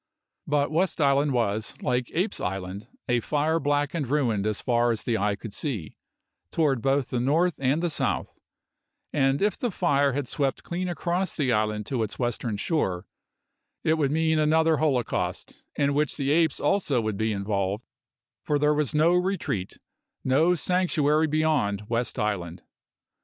But West Island was, like Apes' Island, a fire blackened ruin as far as the eye could see, toward both the north and the south; and if the fire had swept clean across the island to its western shore, it would mean another holocaust, in which the apes also would be involved, for there was no retreat, no sanctuary beyond West Island.